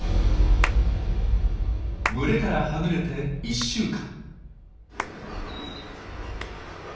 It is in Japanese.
群れからはぐれて１週間。